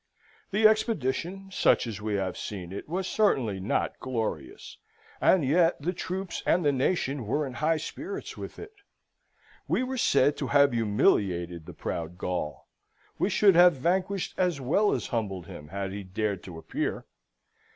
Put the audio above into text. The expedition, such as we have seen it, was certainly not glorious, and yet the troops and the nation were in high spirits with it. We were said to have humiliated the proud Gaul. We should have vanquished as well as humbled him had he dared to appear.